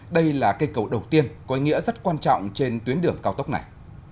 đây là cây cầu đầu tiên có ý nghĩa rất quan trọng trên tuyến đường cao tốc này